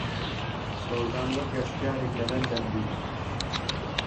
سۆزان وەک گەشتیارێک لە لەندەن بوو.